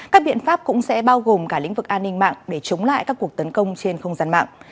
các biện pháp cũng sẽ bao gồm cả lĩnh vực an ninh mạng để chống lại các cuộc tấn công trên không gian mạng